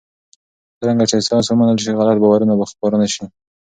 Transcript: څرنګه چې ساینس ومنل شي، غلط باورونه به خپاره نه شي.